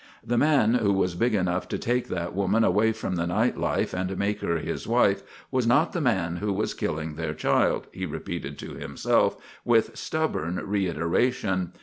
"The man who was big enough to take that woman away from the night life and make her his wife, was not the man who was killing their child," he repeated to himself, with stubborn reiteration.